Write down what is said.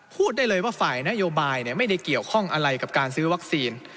พูดได้เลยว่าฝ่ายนโยบายไม่ได้เกี่ยวข้องอะไรกับการซื้อวัคซีน